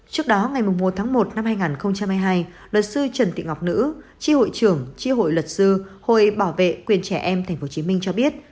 trước đó ngày một mươi một tháng một năm hai nghìn hai mươi hai lợi sư trần tị ngọc nữ chí hội trưởng chí hội lợi sư hội bảo vệ quyền trẻ em tp hcm cho biết